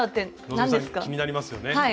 希さん気になりますよね。